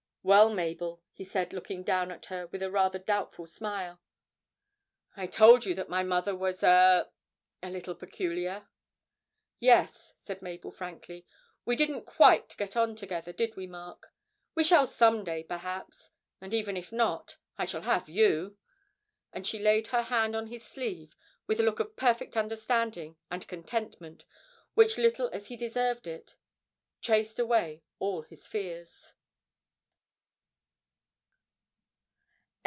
'Well, Mabel,' he said, looking down at her with a rather doubtful smile, 'I told you that my mother was a a little peculiar.' 'Yes,' said Mabel frankly; 'we didn't quite get on together, did we, Mark? We shall some day, perhaps; and even if not I shall have you!' And she laid her hand on his sleeve with a look of perfect understanding and contentment which, little as he deserved it, chased away all his fears.